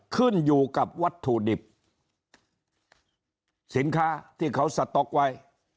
ขึ้นอยู่กับวัตถุดิบสินค้าที่เขาสต๊อกไว้